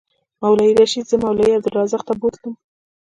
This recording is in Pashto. مولوي رشید زه مولوي عبدالرزاق ته بوتلم.